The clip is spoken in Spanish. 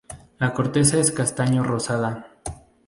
La corteza es castaño-rosada.